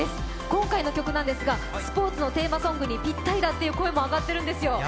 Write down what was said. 今回の曲なんですが、スポーツのテーマソングにぴったりだという声も上がってるんですよ。